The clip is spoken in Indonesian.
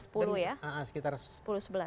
sekitar sepuluh ya